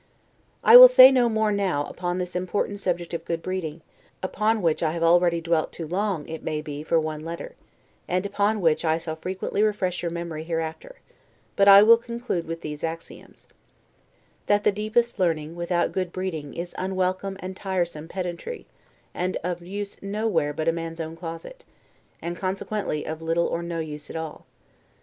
I will say no more, now, upon this important subject of good breeding, upon which I have already dwelt too long, it may be, for one letter; and upon which I shall frequently refresh your memory hereafter; but I will conclude with these axioms: That the deepest learning, without good breeding, is unwelcome and tiresome pedantry, and of use nowhere but in a man's own closet; and consequently of little or no use at all.